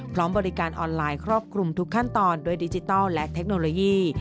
พร้อมบริการออนไลน์ครอบคลุมทุกขั้นตอนด้วยดิจิทัลและเทคโนโลยี